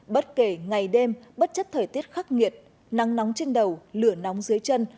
bất kể ngày đêm bất chất thời tiết khắc nghiệt nắng nóng trên đầu lửa nóng dưới chân